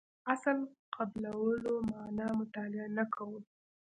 اصل قبلولو معنا مطالعه نه کوو.